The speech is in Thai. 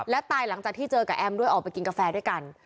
และตายหลังจากที่เจอกับแอมด้วยออกไปกินกาแฟด้วยกัน